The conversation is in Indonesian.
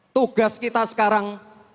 tugas kita sekarang